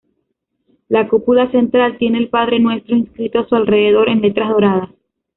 La cúpula central tiene el Padre Nuestro inscrito a su alrededor en letras doradas.